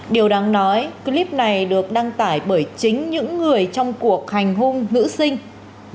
điều đáng nói clip này được đăng tải bởi chính những người trong cuộc hành hung nữ sinh